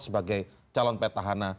sebagai calon petahana